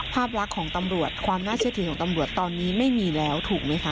ภาพลักษณ์ของตำรวจความน่าเชื่อถือของตำรวจตอนนี้ไม่มีแล้วถูกไหมคะ